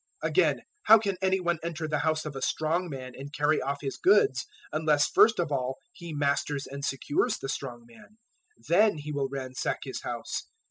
012:029 Again, how can any one enter the house of a strong man and carry off his goods, unless first of all he masters and secures the strong man: then he will ransack his house.